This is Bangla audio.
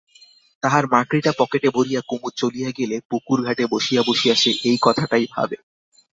তাহার মাকড়িটা পকেটে ভরিয়া কুমুদ চলিয়া গেলে পুকুরঘাটে বসিয়া বসিয়া সে এই কথাটাই ভাবে।